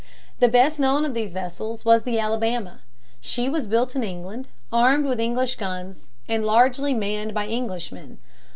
The best known of these vessels was the Alabama. She was built in England, armed with English guns, and largely manned by Englishmen.